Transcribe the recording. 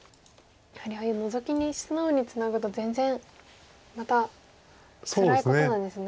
やはりああいうノゾキに素直にツナぐと全然またつらいことなんですね。